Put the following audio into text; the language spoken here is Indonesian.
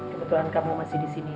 kebetulan kamu masih disini